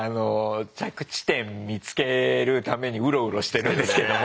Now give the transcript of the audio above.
着地点見つけるためにうろうろしてるんですけども。